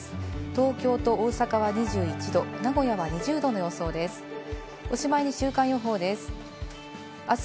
東京と大阪は２１度、名古屋は２０度の予想です。